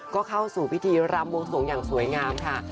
ก็เข้าสู่พิธีรำวงสวงอย่างสวยงามค่ะ